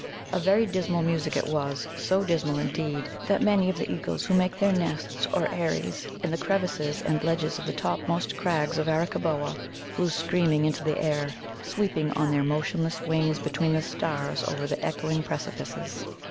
A very dismal music it was so dismal, indeed, that many of the eagles who make their nests or eyries in the crevices and ledges of the topmost crags of Arakkaboa flew screaming into the air, sweeping on their motionless wings between the stars over the echoing precipices.